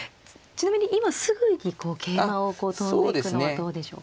ちなみに今すぐに桂馬を跳んでいくのはどうでしょうか。